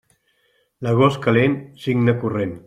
L'agost calent, cigne corrent.